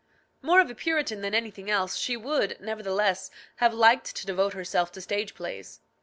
More of a Puritan than anything else, she would, nevertheless, have liked to devote herself to stage plays.